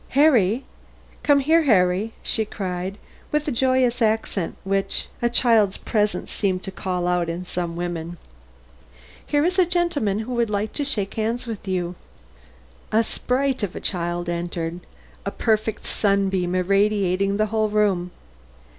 "Harry! come here, Harry!" she cried, with that joyous accent which a child's presence seems to call out in some women. "Here is a gentleman who would like to shake hands with you." A sprite of a child entered; a perfect sunbeam irradiating the whole room.